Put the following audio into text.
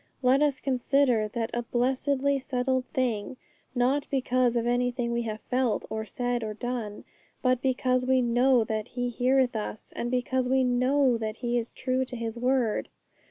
Let us consider that a blessedly settled thing; not because of anything we have felt, or said, or done, but because we know that He heareth us, and because we know that He is true to His word.